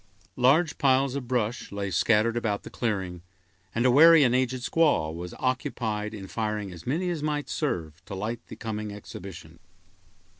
Large piles of brush lay scattered about the clearing, and a wary and aged squaw was occupied in firing as many as might serve to light the coming exhibition.